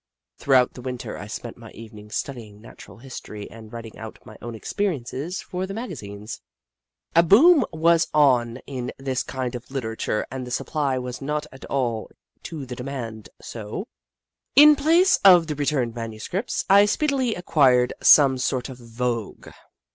Throughout the Winter I spent my evenings studying Natural History and writing out my own experiences for the magazines. A boom was on in this kind of literature and the supply was not at all equal to the demand, so, in place of the returned manuscripts, I speedily acquired some sort of a vogue.